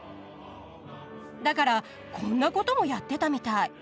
だからこんなこともやってたみたい。